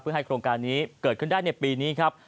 เพื่อให้โครงการนี้เกิดขึ้นได้ในปีนี้ครับ